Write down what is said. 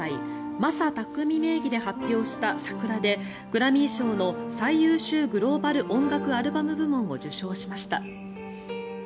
ＭａｓａＴａｋｕｍｉ名義で発表した「Ｓａｋｕｒａ」でグラミー賞の最優秀グローバル音楽アルバム部門を受賞しました。